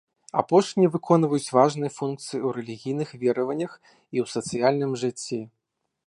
Апошнія выконваюць важныя функцыі ў рэлігійных вераваннях і ў сацыяльным жыцці.